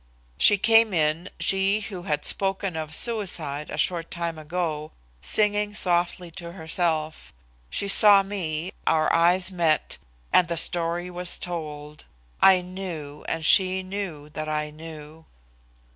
She came in she, who had spoken of suicide a short time ago singing softly to herself. She saw me, our eyes met, and the story was told. I knew, and she knew that I knew."